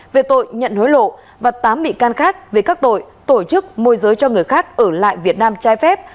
về tội nhận hối lộ và tám bị can khác về các tội tổ chức môi giới cho người khác ở lại việt nam trái phép